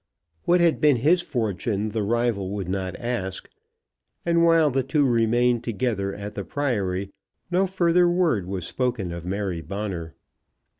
What had been his fortune the rival would not ask; and while the two remained together at the priory no further word was spoken of Mary Bonner.